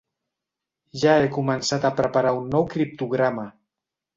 Ja he començat a preparar un nou criptograma.